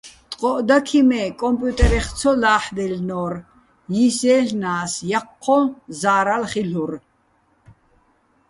ტყო́ჸ დაქიჼ, მე́ კომპიუტერეხ ცო ლა́ჰ̦დაჲლნო́რ, ჲისჲაჲლ'ნა́ს, ჲაჴჴო́ჼ ზა́რალ ხილ'ურ.